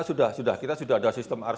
sudah sudah kita sudah ada sistem